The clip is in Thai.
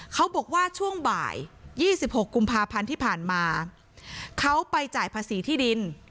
เขาบอกว่าช่วงบ่าย๒๖กุมภาพันธ์ที่ผ่านมาเขาไปจ่ายภาษีที่ดิน